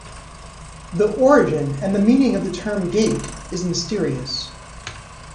The origin and the meaning of the term "gate" is mysterious.